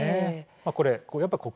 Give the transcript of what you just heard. これやっぱ国産。